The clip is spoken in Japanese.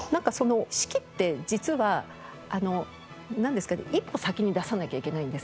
指揮って実はなんですかね一歩先に出さなきゃいけないんですよ。